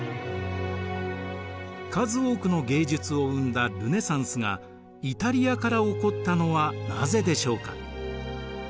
数多くの芸術を生んだルネサンスがイタリアから起こったのはなぜでしょうか？